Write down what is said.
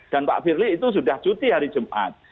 dan pak firly itu sudah cuti hari jumat